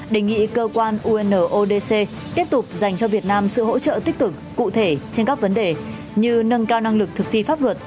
đề nghị cơ quan unodc tiếp tục dành cho việt nam sự hỗ trợ tích cực cụ thể trên các vấn đề như nâng cao năng lực thực thi pháp luật